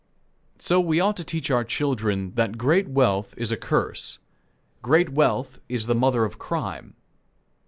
So we ought to teach our children that great wealth is a curse. Great wealth is the mother of crime.